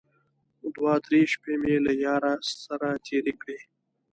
دوه درې شپې مې له ياره سره تېرې کړې.